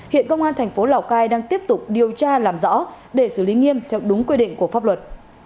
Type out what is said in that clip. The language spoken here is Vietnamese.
hiện công an thành phố lào cai đang tiếp tục điều tra làm rõ để xử lý nghiêm theo đúng quy định của pháp luật